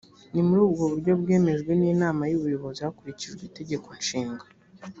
ni muri ubwo buryo bwemejwe ninama yubuyobozi hakurikijwe itegeko nshinga